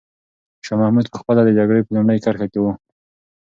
شاه محمود په خپله د جګړې په لومړۍ کرښه کې و.